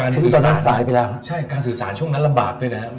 ถึงตอนนั้นสายไปแล้วนะครับใช่การสื่อสารช่วงนั้นลำบากด้วยนะ